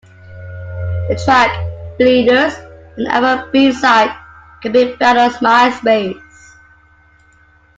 The track "Bleeders", an album B-side, can be found on MySpace.